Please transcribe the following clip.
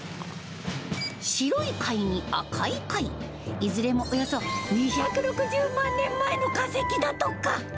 白い貝に赤い貝、いずれもおよそ２６０万年前の化石だとか。